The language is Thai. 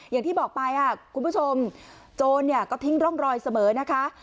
อย่างที่บอกไปคุณผู้ชมโจรก็ทิ้งร่องรอยเสมอนะคะ